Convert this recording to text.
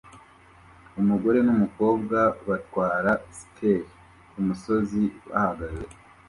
Umugore numukobwa batwara sikeli kumusozi bahagaze